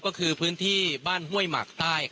ตอนนี้ผมอยู่ในพื้นที่อำเภอโขงเจียมจังหวัดอุบลราชธานีนะครับ